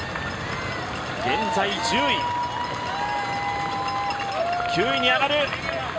現在１０位、９位に上がる。